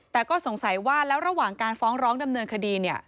แต่ก็สงสัยว่าแล้วระหว่างการฟ้องร้องดำเนินคดี